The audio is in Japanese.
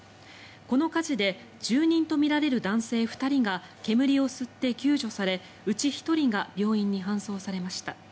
この火事で住人とみられる男性２人が煙を吸って救助され、うち１人が病院に搬送されました。